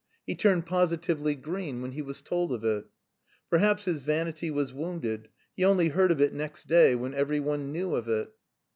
He turned positively green when he was told of it. Perhaps his vanity was wounded: he only heard of it next day when every one knew of it.